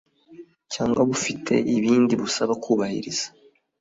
cyangwa bufite ibindi busaba kubahiriza